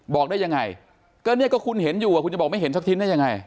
บอกได้ยังไงก็เนี่ยก็คุณเห็นอยู่คุณจะบอกไม่เห็นสักชิ้นได้ยังไง